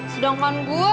sedangkan gue hmm ah ya